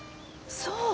そう。